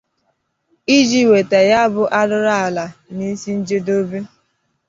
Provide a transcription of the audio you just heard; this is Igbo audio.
iji weta ya bụ arụrụala n'isi njedobe.